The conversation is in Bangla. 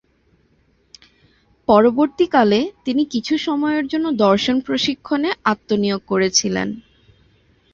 পরবর্তীকালে, তিনি কিছু সময়ের জন্য দর্শন প্রশিক্ষণে আত্মনিয়োগ করেছিলেন।